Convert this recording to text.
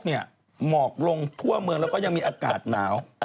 หมอกลงทั่วเมืองแล้วก็ยังมีอากาศหนาว